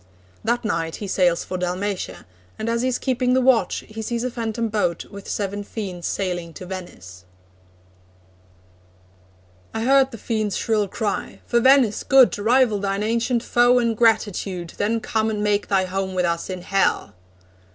That night he sails for Dalmatia, and as he is keeping the watch, he sees a phantom boat with seven fiends sailing to Venice: I heard the fiends' shrill cry: 'For Venice' good! Rival thine ancient foe in gratitude, Then come and make thy home with us in Hell!'